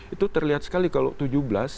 itu terlihat sekali kalau tujuh belas